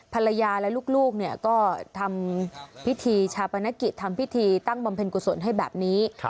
ภรรยาและลูกก็ทำพิธีชาปนกิจทำพิธีตั้งบำเพ็ญกุศลให้แบบนี้